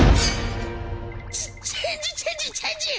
チェンジチェンジチェンジ！